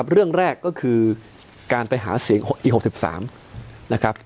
เรื่องแรกก็คือการไปหาเสียงอีก๖๓นะครับ